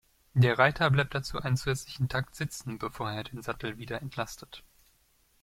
Der Reiter bleibt dazu einen zusätzlichen Takt sitzen, bevor er den Sattel wieder entlastet.